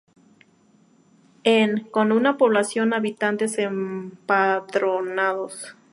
En con una población habitantes empadronados.